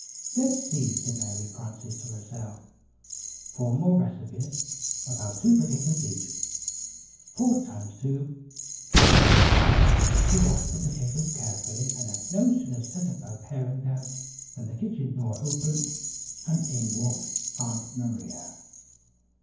"Let's see," said Mary Frances to herself, "four more recipes about two potatoes each. Four times two, eight." She washed the potatoes carefully, and had no sooner set about paring them, than the kitchen door opened, and in walked Aunt Maria.